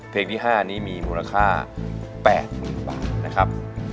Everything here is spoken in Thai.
เพลงที่๕นี้มีมูลค่า๘๐๐๐บาทนะครับ